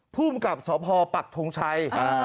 พฤมัติกับศพปัจจ์ท้งชัย